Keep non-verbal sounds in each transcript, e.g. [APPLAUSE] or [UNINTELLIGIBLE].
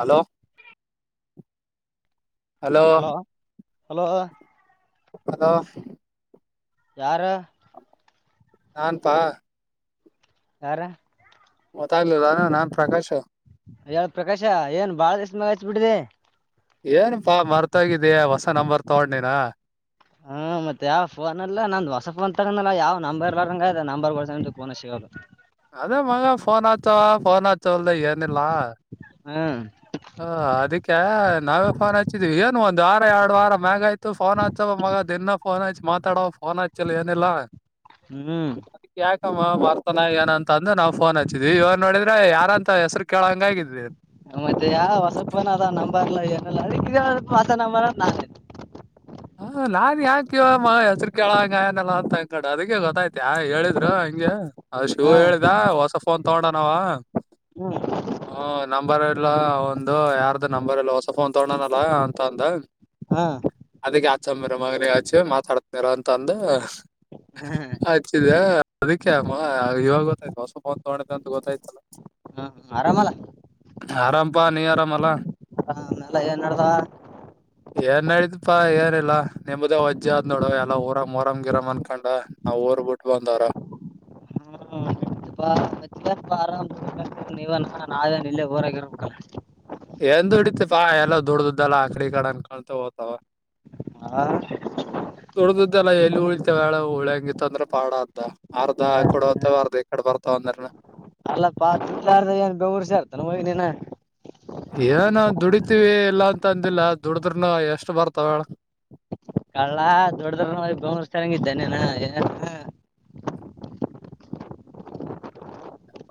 hello hello hello hello ಯಾರು ನಾನ್ ಪಾ ಯಾರ ಗೊತ್ತಾಗ್ಲಿಲ್ಲ ನಾನ್ ಪ್ರಕಾಶ್ ಹೇಳ ಪ್ರಕಾಶ ಏನ್ ಬಾಳ ದೀಸ ಮ್ಯಾಗ ಹಚ್ಬಿಟ್ಟಿದೆ ಏನಪಾ ಮರ್ತೋಗಿದ್ಯಾ ಹೊಸ ನಂಬರ್ ತಗೊಂಡನಿನ ಹ್ಮ್ ಮತ್ತೆ ಯಾವ ಫೋನ್ ಅಲ್ಲ ನಂದ್ ಹೊಸ ಪೋನ್ ತಗ ಯಾವ್ ನಂಬ ಇರಲಾರದು ನಂಬರ್ ಗಸ ಸಿಗಲ್ಲ ಅದೇ ಮಗ ಪೋನ್ ಅಚ್ಚುವ ಪೋನ್ ಆತ ಅಚ್ಚವಲ್ಲಾ ಏನಿಲ್ಲಾ ಹ ಹ ಅದಕ್ಕೆ ನಾವೇ ಫೋನ್ ಹಚ್ಚಿದ್ವಿ ಏನ್ ಒಂದ್ ವಾರ ಎರಡು ವಾರ ಮ್ಯಾಗ ಆಯ್ತು ಫೋನ್ ಹಚ್ಚವ ಮಗ ದಿನ ಫೋನ್ ಹಚ್ಚಿ ಮಾತಾಡವ ಫೋನ್ ಹಚ್ಚಲ್ ಏನಿಲ್ಲಾ ಹ್ಮ್ ಮ್ಮ ಬರ್ತಾನ ಏನ ಅಂತಂದಂದು ನಾವವು ಫೋನ್ ಹಚ್ಚಿದ್ವಿ ಇವಾಗ ನೋಡಿದ್ರೆ ಯಾರಂತ ಹೆಸರು ಕೇಳಂಗ ಆಗಿದ್ರಿ ಮತ್ತೆ ಯಾವ ಹೊಸಪ ಅದ ನಂಬರ್ಲ್ಲ ಏನೆಲ್ಲ ಅಡ ಮಾಸ ನಂಬರ್ ನಾ ಹ ನಾನ್ ಯಾಕ ಇವ ಹೆಸರು ಕೆೇಳಂಗನೆಲ್ಲ ಅಂತ ಕಡೆ ಅದಕ್ಕೆ ಗೊತ್ತಾಯ್ತು ಯ ಹೇಳಿದ್ರ ಹಂಗೆ ಅ ಶಿವ ಹಾ ಹೇಳಿದ ಹೊಸ ಫೋನ್ ತಗೊಂಡನಾವ ಹ್ಮ್ ಹ್ಮ ನಂಬರ್ ಇಲ್ಲ ಒಂದು ಯಾರ್ದು ನಂಬರ್ ಎಲ್ಲ ಫೋನ್ ತೊಗೊಂಡನಲ್ಲ ಅಂತ ಅಂದ ಹಾ ಆಚ ಮರ ಮಗನ ಆಚೆ ಮಾತಾಡ್ತರ ಅಂತಂದ ಹ್ಮ್ ಆಚ್ಚಿದ ಅದ ಅ ಇವಾಗ ಗೊತ್ತಾಯ್ತ ಹೊಸಪೋನ ತಗೊಂಡ ಅಂತ ಗೊತ್ತಾಯ್ತಲ್ಲ ಹ್ಮ ಆರಾಮಲ್ಲ ಆರಾಮಪಾ ನೀ ಆರಾಮಲ್ಲಾ ಹ ಆಮೆಲ್ಲ ಏನ್ ನಡ್ದಾವ ಏನ್ ನಡಿದ್ದ ಇಪ್ಪಾ ಏನಿಲ್ಲಾ ನಿಮ್ಮ್ದೇ ವಜ್ಜ ಆದ್ ನೋಡು ಎಲ್ಲ ಊರಂಗ ಮರಂಗ ಗಿರಂ ಅನ್ಕೊಂಡ ನಾವ್ ಊರ್ ಬಿಟ್ ಬಂದವ್ರ ಅ ಆರಾಮ್ ನೀವ ನಾವೇ ಇಲ್ಲೇ ೋರಾಗಿರೋ ಕಲ್ಲ ಎಂದ ಡಿತ ಪಾ ಎಲ್ಲ ದುಡ್ಡ್ದದ್ದಲ್ಲಾ ಆಕಡಿ ಕಡೆ ಅಂದನ್ಕೊತ ಓತವ ಹಾ ದುಡ್ದ್ದಲ್ಲ ಎಲ್ಲಿ ಉಳಿತವಳ ಉಳ್ಯಂಗತ್ತ ಅಂದ್ರ ಪಾಡ ಅ್ದ ಅರ್ಧ ಕೊಡತವ ಅರ್ಧ ಈ ಕಡೆ ಬರ್ತಾವ ಅಂದ್ರನ ಅಲ್ಲ ಪಾ ಚಿತ್ರ ಏನ್ ಬೆಂಗಳೂರ ಸೆರತಿ ಏನ ಮಗ ನೀನ ಏ ನ ದುಡತಿೀವಿ ಇಲ್ಲಾ ಅಂತ ಅಂದಿಲ್ಲ ದುಡದ್ರನ ಎಷ್ಟ್ ಬರ್ತಾವಳ ಹೇಳ ಕಳ್ಳ ದೊಡ್ಡದ್ರ ನೋಡಿ ಬೆಂಬಲಿಸ್ತಾರಂಗಿದ್ದೆ ಏನ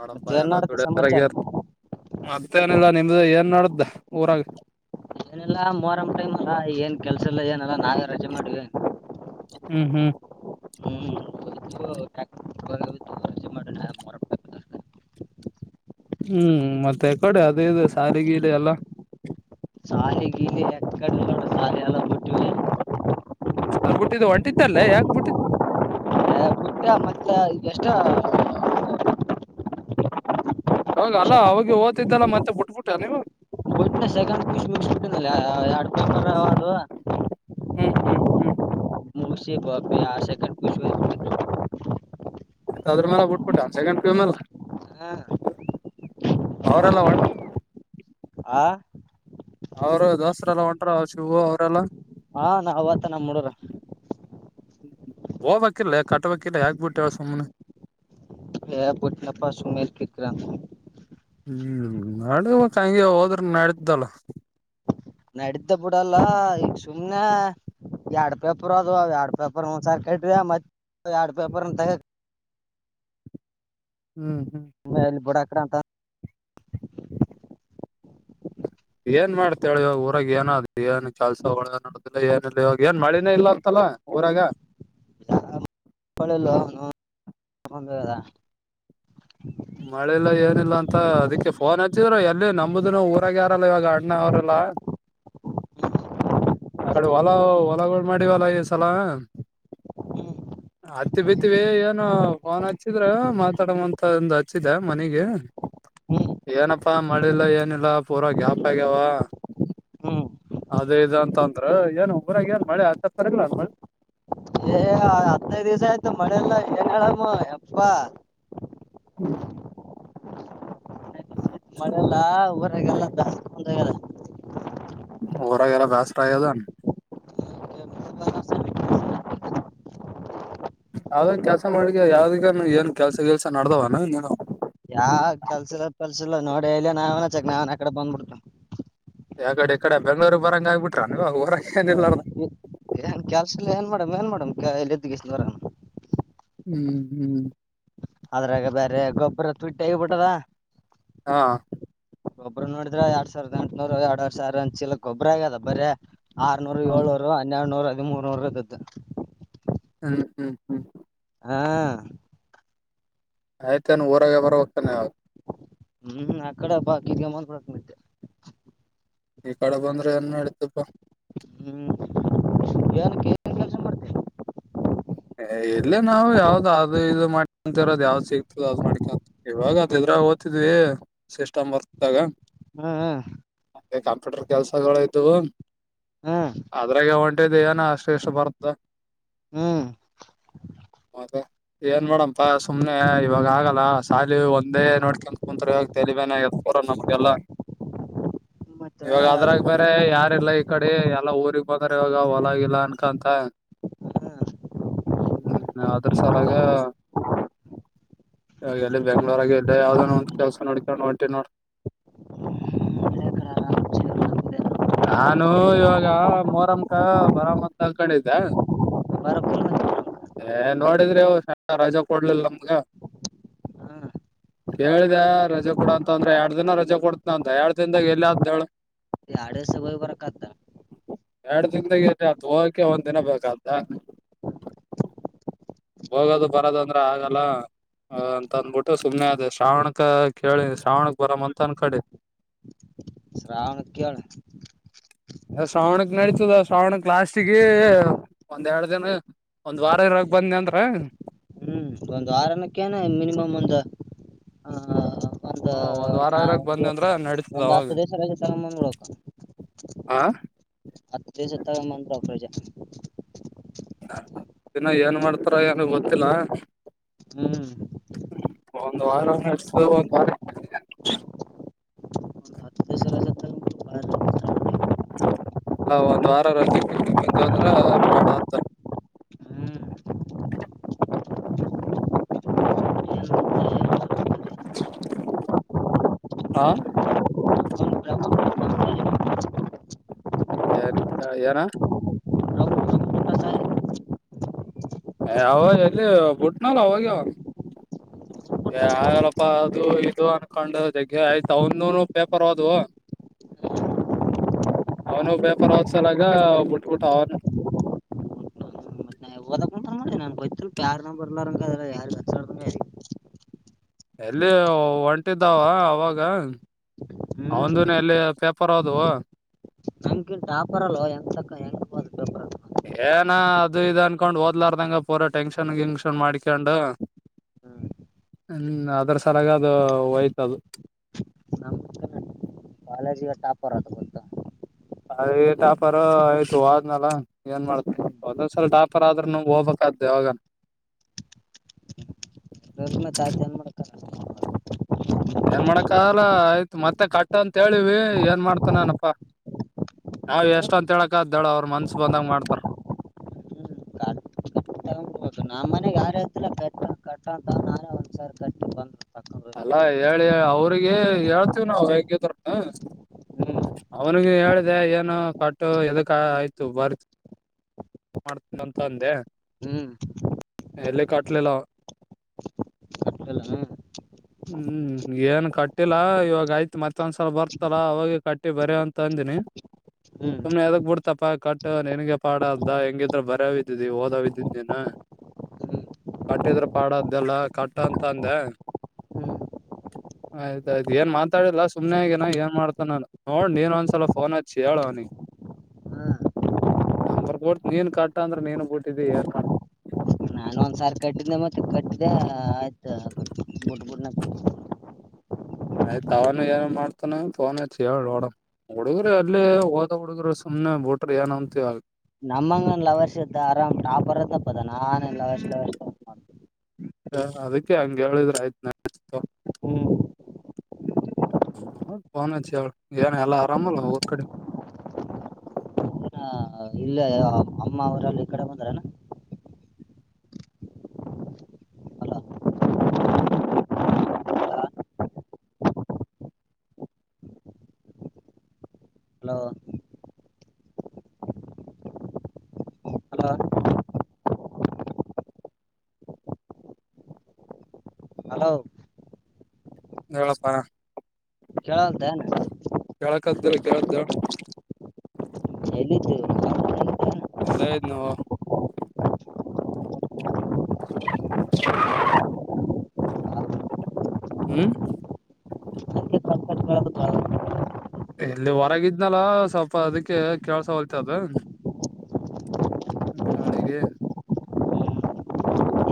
ನೋಡಪ ಮತ್ತೆ ಎಲ್ಲ ನಾಡದ ದುಡಿಯೋದ್ರಾಗೆ ಸಮಾಚಾರ ಇರ್ತ ಮತ್ತೇನಿಲ್ಲ ನಿಮ್ದು ಏನ್ ಮಾಡಡ್ದ ಊರಾಗ ಏನೆಲ್ಲ ಮೋರಂ್ ಟೈಮ್ ಅಲ್ಲ ಏನ್ ಕೆಲ್ಸಲ್ಲ ಏನಲ್ಲ ನಾವೇ ರಜೆ ಮಾಡಿವ ಹ್ಮ್ ಹ್ಮ್ ರಜೆ ಮಾಡಿ ಮೊಹರಂ ಟೈಮ್ ದಾಗ ಹ್ಮ್ ಮತ್ತೆ ಕಡೆ ಅದೇ ಇ ಸಾರಗೀಡೆ ಎಲ್ಲ ಶಾಲಿಗಿಲಿ ಎಕಡ ಆಗ್ಬಿಟ್ಟಿದ್ದ ಒಂಟಿದ್ದಲ್ಲ ಯಾಕ್ಬಿಟ್ಟಿದ ಅಷ್ಟ ಯಾವಾಗ ಅಲ್ಲ ಅವಿಗೆ ಓ್ತಿದ್ದಲ್ಲ ಮತ್ತೆ ಬಿಟ್ಬಿಟ್ಟ ನೀವು ಸೆಕಂಡ್ ಪಿ ಯು ಸಿ ಬಿಟ್ಟಿಲ್ಲ ಎರಡು ಪೇಪರ ಹೋದವು ಹ್ಮ್ ಹ್ಮ್ ಹ್ಮ್ ಮೂಸಿ ಬ ಆ ಸೆಕ ಪುುವ [UNINTELLIGIBLE] ಅದ್ರ ಮೇಲೆ ಬಿಟ್ಬಿಟ್ಟ ಒಂದ ಸೆಕಂಡ್ ಪಿ ಯು ಮೇಲ ಬಿಟ್ಟಿನ ಅವರೆಲ್ಲ ಆ ಅವರು ದೋಸರೆ ಎಲ್ಲ ಒಂಟ್ರ ಅವ ಶಿವು ಅವರೆಲ್ಲಾ ಹಾ ನಾವ ಅವತ್ತ ನಮ್ಮ ಹುಡುರ ಹೋಗ್ಬೇಕಿಲ್ಲ ಕಟ್ಬೇಕಿಲ್ಲ ಹಾಕ್ಬಿಟ್ಟವ ಸುಮ್ಮನೆ ಎ ಬುಟ್ ನಪ್ಪ ಸುಮಲ್ಫಿಕರ ಹ್ಮ್ ನಡಬೇಕ ಹಂಗೆ ಹೋದ್ರ ನಡ್ದಲ್ಲ ನಡತ ಬಿಡಲ್ಲ ಈಗ ಸುಮ್ನೆ ಎರಡ್ ಪೇಪರ್ ಅದು ಎರಡ್ ಪೇಪರ್ ಒಂದ್ಸರಿ ಕಟ್ಟ್ರಿ ಮತ್ತ ಎರಡ್ ಪೇಪರ್ ತಗ ಹ್ಮ್ ಹ್ಮ್ ಮ ಇಲ್ಲಿ ಬಡಾಕ್ರಾಂತ [INAUDIBLE] ಏನ್ ಮಾಡ್ತಿ ಇವಾಗ ಊರಾಗ ಏನಾದ್ ಏನ್ ಕೆಲ್ಸ ಒಳಗ ನಡುದಿಲ್ಲ ಏನ ಇಿಲ್ಲ ಇವಾಗ ಏನ್ ಮಳಿನೇ ಇಲ್ಲ ಅಂತಲ್ಲ ಊರಾಗ ಒಳೆಲ್ಲ ಹನು ಮಳೆಲ್ಲ ಏನಿಲ್ಲ ಅಂತ ಅದಿಕ್ಕೆ ಫೋನ್ ಹಚ್ಚಿದ್ರರು ಎಲ್ಲಿ ನಂಬುದನ ಊರಾಗ ಯಾರಲ್ಲ ಇವಾಗ ಅಣ್ಣ ಅವ್ರಲ್ಲ ಆಗಡೆ ಹೊಲ ಹೊಲಗ ಮಾಡಿವಲ್ಲ ಈಸಲ ಹತ್ತಿ ಬಿತಿವಿ ಏನ ಫೋನ್ ಹಚ್ಚಿದ್ರ ಮಾತಾಡಂತ ಒಂದು ಹಚ್ಚಿದೆ ಮನಗೆ ಏನಪ್ಪಾ ಮಳಿ ಇಲ್ಲ ಮಾಡಿಲ್ಲ ಏನಿಲ್ಲ ಪೂರಾ ಗ್ಯಾಪ್ ಆಗ್ಯಾವ ಹ್ಮ್ ಅದೇ ಇ ಅಂತ ಅಂದ್ರ ಏನ್ ಊರಾಗ ಏನ್ ಮಳೆ ಆತ ತರಗಲ ಅ ಮಳೆ ಹತ್ತನೈದು ದಿವ್ಸ ಆಯ್ತು ಮಳೆಲ್ಲ ಏನ್ ಹೇಳಮ್ಮ ಎಪ್ಪಾ ಹ್ಮ ಹಲ್ಲ ಬಂತಲ್ಲ ರ ವೇರ ಬಸ್ಟದಾನ ಆದನ್ ಕೆಲ್ಸ ಮಾಡ್ಲಿ ಯಾವ್ದಗನು ಏನ್ ಕೆಲ್ಸ ಕೆಲ್ಸ ನಡ್ದವನ ನೀನು ಯಾವ ಕೆಲ್ಸಿಲ್ಲ ಪಲ್ಸಿಲ್ಲ ನೋಡಿ ಇಲ್ಲೇ ನಾವೇನ ಚಕ್ ನಾವೇನ್ ಆ [INAUDIBLE] ಯಗಡೆ ಈ ಕಡೆ ಬೆಂಗ್ಳೂರಿಗೆ ಬರಂಗ ಆಗ್ಬಿಟ್ರ ನೀವ ಬರ ಏಿಲ್ಲಾರ ಏನ್ ಕ ಕೆ್ಯಾಸ ಏನ್ ಮಾಡೇಡಮ ಏನ್ ಮಾಡಡಮ್ ಎದ ಗ ಹ್ಮ್ ಹ್ಮ್ ಅದ್ರಾಗ ಬೇರೆ ಗೊಬ್ಬರ ತುಟ್ಟ ಹೇಗ್ಬಿಟ್ಟದ ಹಾ ಗಬ್ರು ನೋಡಿದ್ರೆ ಎರಡ್ ಸಾವಿದ ಎಂಟನೂರು ಎರಡುಡ್ ಸಾವಿರ ಅಂಚಿಲಿಕ್ೊಬ್ಬ್ರ ಆಗ್ಯದ ಬರೀ ಆರ್ನೂರು ಏಳ್ನೂರು ಎರಡು ನೂರ ಹದಿಮರ್ ನೂರ ಅದ ಹ್ಮ್ ಹ್ಮ್ ಹ್ಮ್ ಹಾ ಆಯ್ತಾನ ಊರಾಗ ಬರ ಹೋಗ್ತಾನೆ ಅವ ಹ್ಮ್ ಆ ಕಡೆ ಬಾ ಕಿರ್ಕಮ್ಮಕೊಂಡಿದ್ದೆ ಈ ಕಡೆ ಬಂದ್ರೆ ಏನ್ ನಡತಪ್ಪ ಹ್ಮ್ ಮಾಡ್ತಿ ಇಲ್ಲ ನಾವು ಯಾವ್ದ್ ಅದು ಇದು ಮಾಡ್ಕೊಂತರೋದ್ ಯಾವ್ದ್ ಸಿಗ್ತದ ಅದ್ ಮಾಡ್ಕ ಇವಾಗ ಅದ ಇದ್ರಾಗ ಓ್ತಿದ್ವಿ ಸಿಸ್ಟಮ್ ಬರ್ತಾಗ ಹ್ಮ್ ಮತ್ತೆ ಕಂಪ್ಯೂಟರ್ ಕೆಲ್ಸಗಳ ಇದವು ಹ್ಮ್ ಹ್ಮ್ ಅದ್ರಾಗ ಹೊಂಟಿದ ಏನ ಅಷ್ಟು ಎಷ್ಟು ಬರ್ತ ಹ್ಮ್ ಮದೆ ಏನ್ ಮಾಡೇಡಂಪಾ ಸುಮನೆ ಇವಾಗ ಆಗಲ್ಲ ಶಾಲಿ ಒಂದೇ ನೋಡ್ಕಂತ ಕುಂತ್್ರ ಇವಾಗ ತೆಲಿವೆೇನ ಆಗತ್ ಪೂರ ನಮ್ಗೆಲ್ಲ ಮತ್ತ ಇವಾಗ ಅದ ಅದ್ರಾಗ ಬೇರೆ ಯಾರಿಲ್ಲ ಈ ಕಡೆ ಎಲ್ಲಾ ಊಗ್ ಬಂದ್ರ ಇವಾಗ ಹೊಲಗಲ್ಲ ಅನ್ಕಂತ ಹ್ಮ್ ಅ್ರ ಸಲಾಗಾಗ ಎಲ್ಲಿ ಬೆಂಗ್ಳೂರಾಗ ಎಲ್ಲ ಯಾವ್ದನ ಒಂದು ಕೆಲ್ಸ ನೋಡ್ಕ ಹೊಂಟಿ ನೋಡ ನಾನು ಇವಾಗ ಮೋರಮಕ ಬರಾಮತ್ ಅಲ್ಕೊಂಡಿದ್ದೆ ಬರಕುಲ್ ಏ ನೋಡಿದ್ರಿ ಸಣ ರಜೆ ಕೊಡ್ಲಿಲ್ಲ ನಮ್ಗ ಹ್ಮ್ ಕೇಳಿದೆ ರಜೆ ಕೊೂಡ ಅಂತ ಅಂದ್ರೆ ಎರ್ಡ್ ದಿನ ರಜೆ ಕೊಡ್ತನ ಅಂತ ಎರಡ್ ದಿನದಾಗ ಎಲ್ಲಿ ಅ ಹೇಳೇಳ ಆಡಸಭಯ ಬರಕದ ಎರಡ್ ದಿನದಾಗ ಅತ್ ಹೋಗಕ್ಕೆೆ ಒಂದ್ ದಿನ ಬೇಕಂತ ಹೋಗೋದು ಬರದ ಅಂದ್ರ ಆಗಲ್ಲ ಅಂತ ಅಂದ್ಬಿಟ್ಟು ಸುಮ್ಮನೆ ಅದೇ ಶ್ರಾವಣಕ ಕೇಳಿ ಶ್ರಾವಣಕ್ ಬರಮ್ಮಂತ ಅಂದಕಡೆ ಶ್ರಾವ ನಕ್ಕಳ ಶ್ರಾವಣಕ್ ನಡೀತದ ಶ್ರಾವಣಕ್ ಲಾಸ್ಟಗ ಒಂದ್ೆರಡ್ ದಿನ ಒಂದ್ ವಾರ ಇರಾಗ ಬಂದಿ ಅಂದ್ರ ಹ್ಮ್ ಒಂದ್ ವಾರನಕ್ಕೇನ ಒಂದು ಹ ಒಂದ್ ವಾರ ನಾ ಇರಾಗ ಒಂದು ಬಂದೆ ಅಂದ್ರ ನಡೀತದ ಒಂದು್ ಅವಾಗ ಹತ್ತು ದಿವಸ ತಮ್ಮಂದಡಕ ಹ ಸತ್ಯಾದ ಮ ರಕರ ದಿನ ಏನ್ ಮಾಡ್ತಾರ ಏನಗ್ ಗೊತ್ತಿಲ್ಲ ಹ್ಮ್ ಒಂದ್ ವಾರತ ಒಂದ್ ವಾರ ಒಂದ್ ಹತ್ತ್ ದಿವಸ ರಜೆ [INAUDIBLE] ತಗೊಂಡು ಅಲ್ಲ ಒಂದ್ ವಾರ ರೆಿಂದ ಅಂದ್ರ ಬಾಡ ಹತ್ತು ಆ ಯಾರ ಯಾರ ಯಾಗ ಎಲ್ಲಿ ಬಿಟ್ನಲ್ಲ ಅವಾಗ ಅವವನು ಏ ಆಗಲ್ಲಪ್ಪ ಅದು ಇದು ಅನ್ಕೊಂಡ ಜಗ್ಗೆ ಆಯ್ತ ಅವನುೂನು ಪೇಪರ್ ಹೋದುವ ಅವನು ಪೇಪರ್ ಓದ್ಸಲಗ ಬಿಟ್ಬಿಟ್ಟ ಅವನು ಯಾರನಮ್ಮ ಬರ್ಲ್ಲಾರುಂಗ ಅದೆಲ್ಲ ಯಾರು ಕಚಾಡ್ ಯಾರ ಎಲ್ಲಿ ಒಂಟಿದ್ದಾವ ಅವಾಗ ಅವಂದಿನ ಎಲ್ಲಿ ಪೇಪರ್ ಅದುವ ನಮ್ಕಿನ್ ಟಾಪರ್ ಅಲ್ವೋ ಹೆಂಗ್ ತಕ್ಕ ಹೆಂಗ್ ಓದ್ ಪೇಪರ್ ಏನ ಅದು ಇ ಅನ್ಕೊಂಡ್ ಓದ್ಲಾರ್ದಂಗ ಪೂರಾ ಟೆನ್ಶನ್ ಗಿಂಕ್ಷನ್ ಮಾಡ್ಕೊಂಡು ಹ್ಮ ಅದ್ರ ಸಲಾಗ ಅದು ಹಯ್ತದು ಬಾಲಜಿಗ ಟಾಪರ್ದು ಗಂತ ಅಯ ಟಾಪರ್ ಆಯ್ತು ಆದ್ನಾಲ ಏನ್ ಮಾಡ್ತ ಹ್ಮ್ ಒಂದೊಂದ್ಸಲ ಟಾಪರ್ ಆದ್ರರು ನ ಹೋಗ್ಬೇಕಾದ್ದೆ ಅವಾಗ [INAUDIBLE] ಮಾಡಕ್ಕ ಏನ್ ಮಾಡಕ್ಕ ಎಲ್ಲ ಆಯ್ತು ಮತ್ತೆ ಕಟ್ಟಂತ ಹೇಳಿವ ಏನ್ ಮಾಡ್ತನಪ್ಪಾ ನಾವ ಎಷ್ಟ ಅಂತ ಹೇಳಕ ಅದ್ದಳ ಅವ್ರ ಮನ್ಸ ಬಂದಂಗ ಮಾಡ್ತಾರ ನಮ್ಮ್ನೆಗ್ ಯಾರಲ್ಲ ಕ ಕಟ್ಟಂತ ಒಂದ್ಸ ಕಟ್ಟಿ ಬಂದ ಅಲ್ಲಾ ಹೇಳಿ ಅವರು ಅವಿಗೆ ಹೇಳ್ತೀವಿ ನಾವವು ಹೇಗದ್ರ ಹ್ಮ್ ಅವನಿಗೆ ಹೇಳಿದೆ ಏನು ಕಟ್ಟು ಎದಕ್ ಆಯ್ತು ಬರ್ತಿ ಮಾಡ್ತನಂತ ಅಂದೆ ಹ್ಮ್ ಎಲ್ಲಿ ಕಟ್ಲಿಲ್ಲ ಕಟ್ಟಲ್ಲ ಹ್ಮ್ ಹ್ಮ್ ಏನ್ ಕಟ್ಟಿಲ್ಲ ಇವಾಗ ಆಯ್ತ್ ಮತ್ತೊಂದ್ಸಲ ಬರ್ತಲ್ಲ ಅವಾಗ ಕಟ್ಟಿ ಬರ್ಯ ಅಂತ ಅಂದಿನಿ ಹ್ಮ್ ಸುಮ್ನೆ ಎದಗ್ ಬಿಡ್ತಪ ಕಟ್ ನನ್ಗೆ ಪಾಡದ್ದ ಹೆಂಗಿದ್ರ ಬರ್ಯವ್ದಿದಿ ಓದಿದ್ದಿದ ನೀನ್ ಹ್ಮ್ ಕಟ್ಟಿದ್ರ ಪಾಡದೆಲ್ಲ ಕಟ್ಟ ಅಂತ ಅಂದ ಹ್ಮ್ ಆಯ್ತಾಯ್ತು ಏನ್ ಮಾತಾಡಿಲ್ಲ ಸುಮ್ನೆ ಆಗನ ಏನ್ ಮಾಡ್ತಾನು ನೋಡ್ ನೀನ್ ಒಂದ್ಸಲ ಫೋನ್ ಹಚ್ಚಿ ಹೇಳ ಅವನಿಿಗೆ ಹಾ ನಂಬರ್ ಕೊ ನೀನ್ ಕಟ್ಟ ಅಂದ್ರ ನೀನು ಏನ್ ಮಾಡ್ತ ನಾನ ಒಂದ್ಸಾರಿ ಕಟ್ಟಿದ್ದೆ ಮತ್ತೆ ಕಟ್ಟ್ದೆ ಆಯ್ತಡ್ [INAUDIBLE] ಆಯ್ತ ಅವನು ಏನು ಮಾಡ್ತಾನ ಪೋನ ಹೇಳಿಡ ಹುಡುಗ್ರಿ ಅಲ್ಲಿ ಹೋದ ಹುಡುಗರು ಸುಮ್ನೆ ಬುಟ್ರ ಏನ ಅಂತವ ನಮ್ಮಂಗ ಲವರ್ಸ ಆರಾಮ ಆಾ ಬರದಪ್ಪದ ನಾನ ಲವರ್ ಲವರ್ ಅದಕ್ಕೆ ಹಂಗ ಹೇಳಿದ್ರ ಆಯ್ತ್ ನ ಹ್ಮ್ ಪೋ ನ್ ಹೇಳ ಏನ್ ಎಲ್ಲ ಆರಾಮಲ್ಲ ಹೋಗೋದ್ ಕಡೆ ಆ, ಇಲ್ಲೇ ಅಮ್ಮ ಅವ್ರಲ್ಲಿ ಈ ಕಡೆ ಬಂದ್ರನಾ ಹಲೋ ಹಲೋ ಹಲೋ ಹಲೋ ಹೇಳಪ್ಪಾ ಕೇಳಂತ ಏನೆ ಕದದಲ ಕೇಳುತ ಚಲಿ ಲ್ಲದ ನವು ಹ್ಮ ಹಂಗೆ ಕಟ್ ಕಟ್ ಕೇಳಕತ್ತಾಳ ಎಲ್ಲಿ ಹೊರಗಿದ್ನಲ್ಲ ಸ್ವಲ್ಪ ಅದಕ್ಕೆ ಕೆಳ್ಸ ಹೊಲತದ ಗಾಳಿಗೆ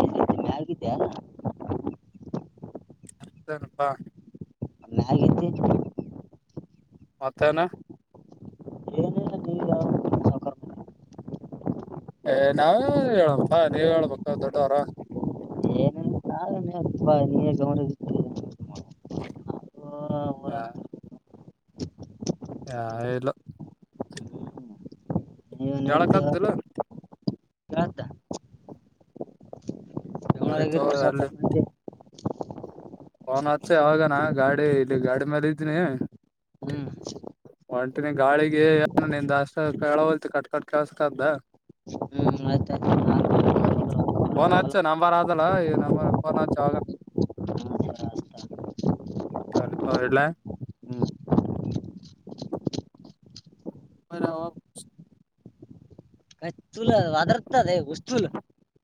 ಎಲ್ಲಿದ್ದಿ ಮ್ಯಾಗಿದ್ದ್ಯಾನ ಅನಪ್ಪಾ ಮ್ಯಾಗಿದ್ದಿ ಮತ್ತನಾ ಏನಿಲ್ಲ ನೀವ್ ಯಾವ ಸಾವ್ಕಾರ್ ಮಂದಿ ಏ ನಾವೇ ಹೇಳಳ್ಬಪ್ಪಾ ನೀವ್ ಹೇಳ್ಬ ದೊಡ್ಡವರ ಏನಿಲ್ಲ [INAUDIBLE] ಆ ಊರಾಗ ಯಲ್ಲ ನೀವೇ ಯಳಕ್ಕೆ ನಡೀತದ ಆಗ್ಲ [INAUDIBLE] ಕೇಳತ್ತ ಸರಿ ಬೆಂಗ್ಗಳೂರಗ ತಗೋ ಇರ್ತಾರೆ ಅಲ್ಲಿ ಸ್ವಪತ್ ಫೋನ್ ಹಚ್ಚ ಅವಾಗನ ಗಾಡಿ ಇಲ್ಲಿ ಗಾಡಿ ಮೇಾಲ ಇದನಿ ಹ್ಮ್ ಒಂಟಿನಿ ಗಾಳಿಗೆ ನಿನ್ಸ್ ಕೇಳಲ್ತಿ ಕಟ್ ಕಟ್ ಕೆಲ್ಸಕ್ದ ಹ್ಮ್ ಆಯ್ತಾಯ್ತು ಪೊನ್ ಹಚ್ಚ ನಂಬರ್ ಆದಲ್ಲ ಈ ನಂಬರ್ ಫೋನ್ ಹಚ್ಚ ಅವಾಗ ತ ತ ಹೇಳಲ್ಲ ಹ್ಮ್ [INAUDIBLE] [UNINTELLIGIBLE] [UNINTELLIGIBLE]